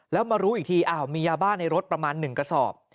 แล้วมารู้อีกทีอ้าวมียาบ้าในรถประมาณ๑กระสอบ